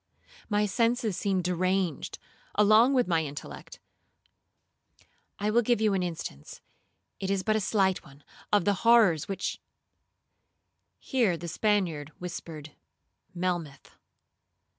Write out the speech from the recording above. My senses seemed deranged along with my intellect. I will give you an instance, it is but a slight one, of the horrors which—' Here the Spaniard whispered Melmoth.